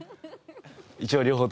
一応両方。